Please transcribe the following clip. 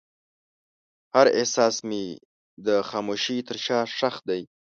هر احساس مې د خاموشۍ تر شا ښخ دی.